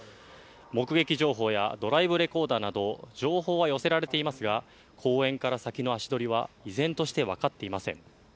目撃情報やドライブレコーダーなど情報は寄せられていますが公園から先の足取りは依然として分かっていません。